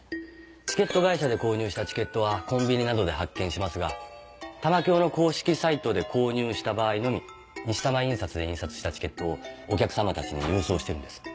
チケット会社で購入したチケットはコンビニなどで発券しますが玉響の公式サイトで購入した場合のみ西たま印刷で印刷したチケットをお客さまたちに郵送してるんです。